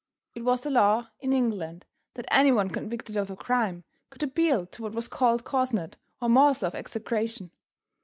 It was the law in England that any one convicted of a crime, could appeal to what was called corsned or morsel of execration.